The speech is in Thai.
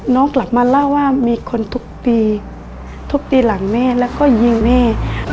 กลับมาเล่าว่ามีคนทุบตีทุบตีหลังแม่แล้วก็ยิงแม่